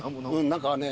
何かね